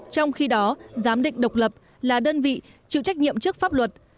trong khi đó giám định độc lập là đơn vị chịu trách nhiệm trước pháp luật